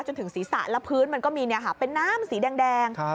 จนถึงศีรษะแล้วพื้นมันก็มีเป็นน้ำสีแดง